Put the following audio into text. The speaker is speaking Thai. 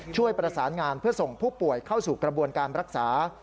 ช่วยประสานงานเพื่อส่งผู้ป่วยเข้าสู่กระบวนการรักษา